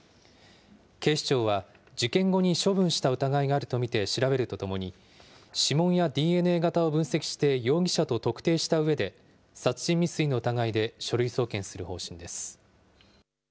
警視庁は、事件後に処分した疑いがあると見て調べるとともに、指紋やＤＮＡ型を分析して、容疑者と特定したうえで、殺人未遂の疑いで書類送検する方針です。